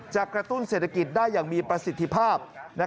กระตุ้นเศรษฐกิจได้อย่างมีประสิทธิภาพ